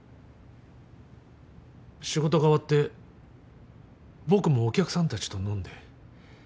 仕事が終わって僕もお客さんたちと飲んで。